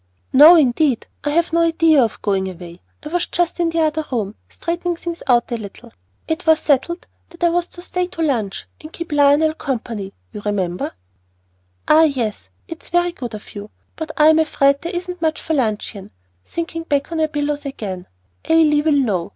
"No, indeed, I have no idea of going away. I was just in the other room, straightening things out a little. It was settled that I was to stay to lunch and keep Lionel company, you remember." "Ah, yes. It is very good of you, but I'm afraid there isn't much for luncheon," sinking back on her pillows again. "Ah Lee will know.